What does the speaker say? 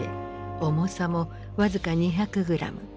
重さも僅か２００グラム。